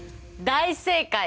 大正解！